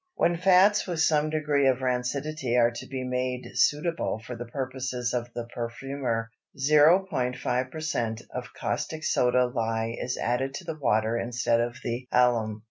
When fats with some degree of rancidity are to be made suitable for the purposes of the perfumer, 0.5% of caustic soda lye is added to the water instead of the alum.